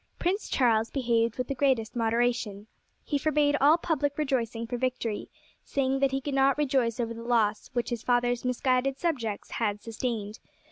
Prince Charles behaved with the greatest moderation. He forbade all public rejoicing for victory, saying that he could not rejoice over the loss which his father's misguided subjects had sustained.